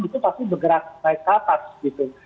itu pasti bergerak naik ke atas gitu